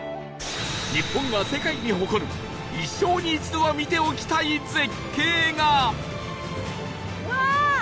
日本が世界に誇る一生に一度は見ておきたい絶景がうわー！